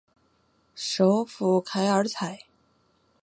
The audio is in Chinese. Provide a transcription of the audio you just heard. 首府凯尔采。